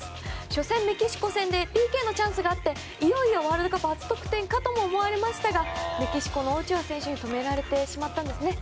初戦、メキシコ戦でＰＫのチャンスがあっていよいよワールドカップ初得点かとも思われましたがメキシコのオチョア選手に止められてしまったんですね。